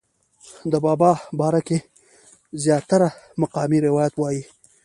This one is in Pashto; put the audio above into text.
د بابا باره کښې زيات تره مقامي روايات وائي